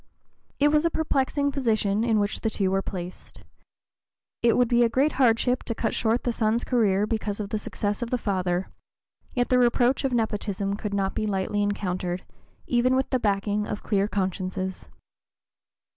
It was a perplexing position in which the two were placed. It would be a great hardship to cut short the son's career because of the success of the father, yet the reproach of nepotism could not be lightly encountered, even with the backing of clear consciences.